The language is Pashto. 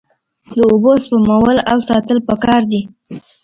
د اوبو سپمول او ساتل پکار دي.